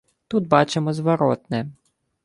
Тут бачимо зворотне